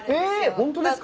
本当ですか！？